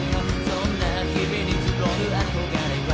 そんな日々に募る憧れは